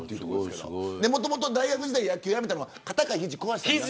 もともと大学時代野球辞めたのは肩か肘、壊して。